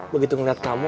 begitu ngeliat kamu